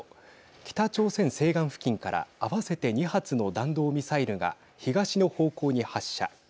北朝鮮西岸付近から合わせて２発の弾道ミサイルが東の方向に発射。